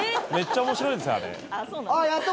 めっちゃ面白いですよあれ。